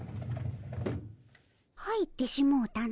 入ってしもうたの。